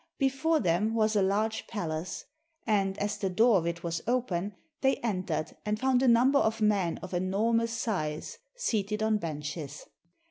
Before them was a large palace, and as the door of it was open, they entered and found a number of men of enormous size, seated on benches.